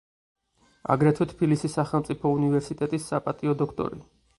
აგრეთვე თბილისის სახელმწიფო უნივერსიტეტის საპატიო დოქტორი.